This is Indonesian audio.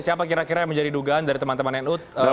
siapa kira kira yang menjadi dugaan dari teman teman nu